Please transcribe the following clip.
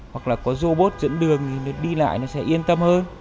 hoặc là có robot dẫn đường thì nó đi lại nó sẽ yên tâm hơn